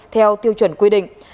theo tiêu chuẩn quy định